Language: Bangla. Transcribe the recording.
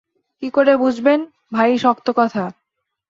কী করে বুঝবেন– ভারী শক্ত কথা।